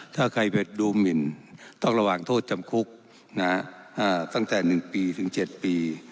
ถ้าใครไปดูหมินต้องระหว่างโทษจำคุกตั้งแต่๑ปีถึง๗ปี